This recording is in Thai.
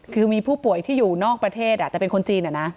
คือมีผู้ป่วยที่อยู่นอกประเทศแต่เป็นคนจีน